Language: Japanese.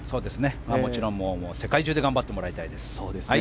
もちろん世界中で頑張ってもらいたいです。